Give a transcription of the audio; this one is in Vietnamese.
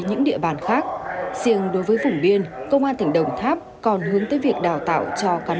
những địa bàn khác riêng đối với vùng biên công an tỉnh đồng tháp còn hướng tới việc đào tạo cho cán